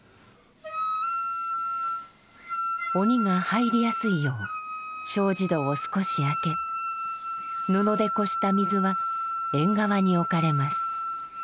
鬼が入りやすいよう障子戸を少し開け布でこした水は縁側に置かれます。